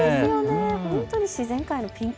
本当に自然界のピンク。